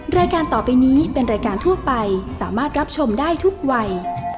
รายการต่อไปนี้เป็นรายการทั่วไปสามารถรับชมได้ทุกวัย